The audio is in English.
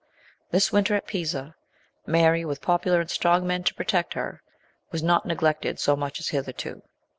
This winter, at Pisa, Mary, with popular and strong men to pro tect her, was not neglected so much as hitherto.